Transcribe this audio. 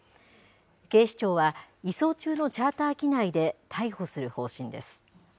警視庁は移送中のチャーター機内で逮捕する方針です。